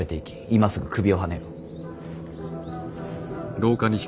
今すぐ首をはねよ。